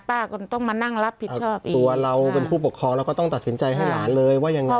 ก็ต้องมานั่งรับผิดชอบเองตัวเราเป็นผู้ปกครองเราก็ต้องตัดสินใจให้หลานเลยว่ายังไง